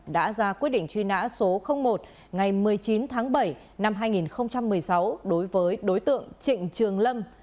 đã ra quyết định truy nã số một ngày một mươi chín tháng bảy năm hai nghìn một mươi sáu đối với đối tượng trịnh trường lâm